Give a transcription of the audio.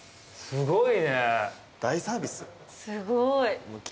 すごい。